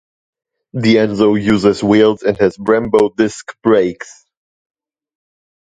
The Enzo uses wheels and has Brembo disc brakes.